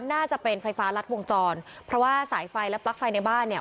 น่าจะเป็นไฟฟ้ารัดวงจรเพราะว่าสายไฟและปลั๊กไฟในบ้านเนี่ย